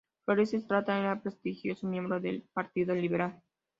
Flores Estrada era un prestigioso miembro del partido liberal.